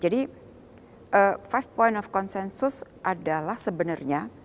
jadi five point of consensus adalah sebenarnya